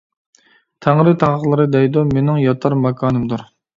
تەڭرى تاغلىرى دەيدۇ، مىنىڭ ياتار ماكانىمدۇر.